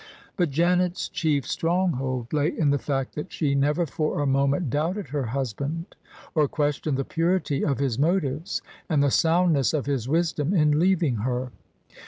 But Janet's chief stronghold lay in the fact that she never for a moment doubted her husband, or questioned the purity of his motives and the soundness of his wisdom in leaving her.